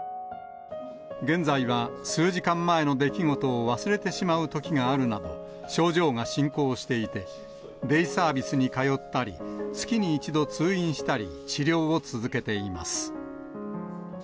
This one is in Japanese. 現在は、数時間前の出来事を忘れてしまうときがあるなど、症状が進行していて、デイサービスに通ったり、月に１度通院したり、治療を続けています。